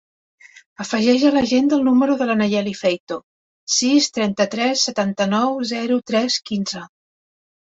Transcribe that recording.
Afegeix a l'agenda el número de la Nayeli Feito: sis, trenta-tres, setanta-nou, zero, tres, quinze.